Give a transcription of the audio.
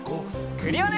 クリオネ！